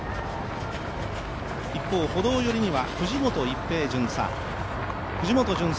一方、歩道よりには藤本一平巡査。